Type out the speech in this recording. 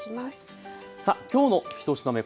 さあ今日の１品目